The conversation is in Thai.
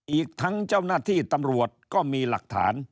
อีกทั้งเจ้าหน้าที่ตำรวจก็มีหลักฐาน